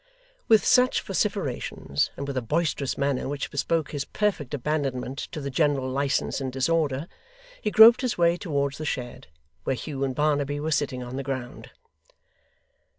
With such vociferations, and with a boisterous manner which bespoke his perfect abandonment to the general licence and disorder, he groped his way towards the shed, where Hugh and Barnaby were sitting on the ground.